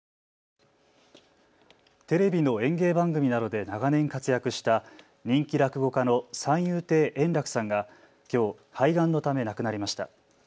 テレビの演芸番組などで長年、活躍した人気落語家の三遊亭円楽さんがきょう肺がんのため亡くなりました。